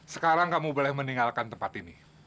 sekarang kamu boleh meninggalkan tempat ini